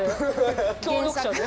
協力者で。